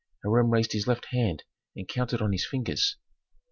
Hiram raised his left hand, and counted on his fingers.